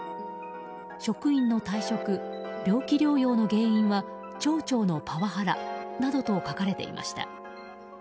職員の退職・病気療養の原因は町長のパワハラなどと書かれていました。